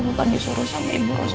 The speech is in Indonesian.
bukan disuruh sama ibu kos